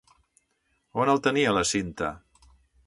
A on el tenia la Cinta?